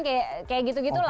kayak gitu gitu lah